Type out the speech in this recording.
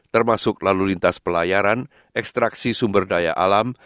termasuk lalu lintas pelayaran ekstraksi sumber daya alam